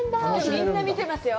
みんな見てますよ。